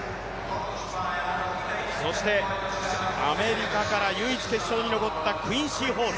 そしてアメリカから唯一決勝に残ったクインシー・ホール。